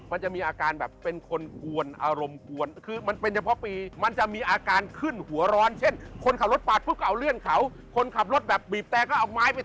อันนี้ต้องระวังมากครับคนเกิดราศีม